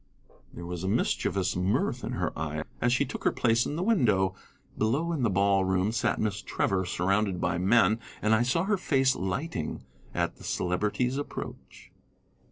There was a mischievous mirth in her eye as she took her place in the window. Below in the ball room sat Miss Trevor surrounded by men, and I saw her face lighting at the Celebrity's approach.